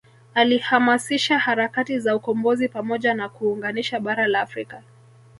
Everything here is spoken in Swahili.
Alihamasisha harakati za ukombozi pamoja na kuunganisha bara la Afrika